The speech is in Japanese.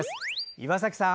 岩崎さん